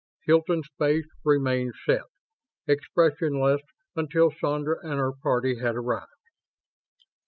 Hilton's face remained set, expressionless, until Sandra and her party had arrived.